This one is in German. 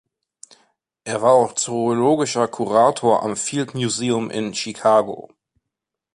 Er war auch zoologischer Kurator am Field Museum in Chicago.